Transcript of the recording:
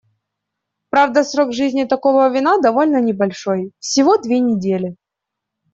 Правда, срок жизни такого вина довольно небольшой — всего две недели.